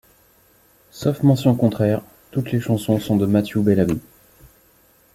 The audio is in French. Sauf mention contraire, toutes les chansons sont de Matthew Bellamy.